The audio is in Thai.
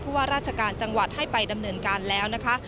ว่าราชการจังหวัดให้ไปดำเนินการแล้วนะคะ